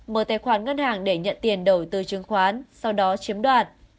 mở tài khoản ngân hàng để nhận tiền đầu tư chứng khoán sau đó chiếm đoạt